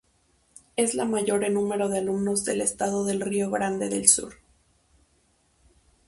Es la mayor en número de alumnos del estado del Río Grande del Sur.